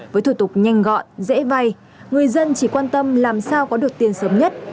với thủ tục nhanh gọn dễ vay người dân chỉ quan tâm làm sao có được tiền sớm nhất